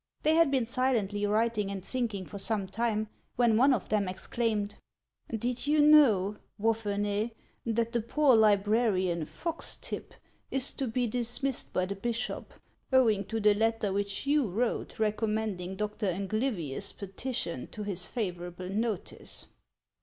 They had been silently writing and thinking for some time, when one of them exclaimed :" Did you know, Wapherney, that the poor librarian, Foxtipp, is to be dismissed by the bishop, owing to the letter which you wrote recommending Dr. Anglyvius's petition to his favorable notice